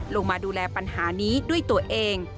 ลงมาดูแลปัญหานี้ด้วยตัวเอง